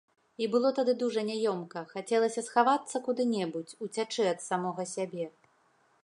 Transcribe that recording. І было тады дужа няёмка, хацелася схавацца куды-небудзь, уцячы ад самога сябе.